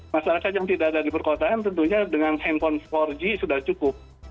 masyarakat yang tidak ada di perkotaan tentunya dengan handphone empat g sudah cukup